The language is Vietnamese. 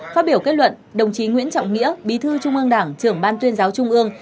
phát biểu kết luận đồng chí nguyễn trọng nghĩa bí thư trung ương đảng trưởng ban tuyên giáo trung ương